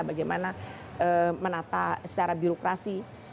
bagaimana menata secara birokrasi